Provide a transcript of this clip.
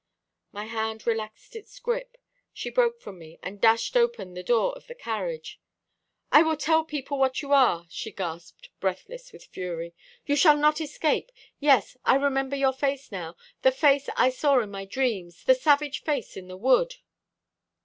"My hand relaxed its grip; she broke from me, and dashed open the door of the carriage. 'I will tell people what you are!' she gasped, breathless with fury. 'You shall not escape. Yes, I remember your face now the face I saw in my dreams the savage face in the wood.'